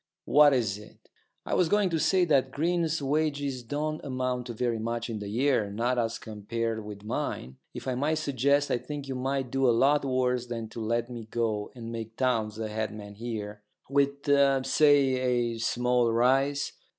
"What is it?" "I was going to say that Green's wages don't amount to very much in the year, not as compared with mine. If I might suggest, I think you might do a lot worse than to let me go and make Townes the head man here, with, say, a small rise.